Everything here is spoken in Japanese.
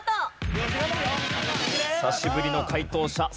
久しぶりの解答者